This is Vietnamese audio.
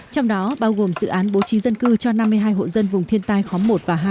trong đó bao gồm dự án bố trí dân cư cho năm mươi hai hộ dân vùng thiên tai khóng một và hai